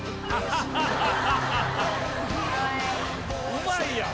うまいやん！